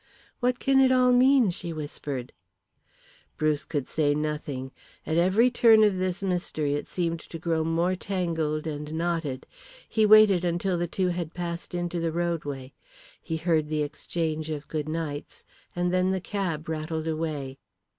"What can it all mean?" she whispered. Bruce could say nothing. At every turn of this mystery it seemed to grow more tangled and knotted. He waited until the two had passed into the roadway; he heard the exchange of goodnights, and then the cab rattled away.